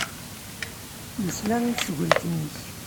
Nesla i tesgilt-nnek.